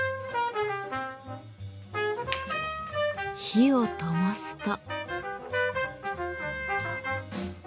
火をともすと。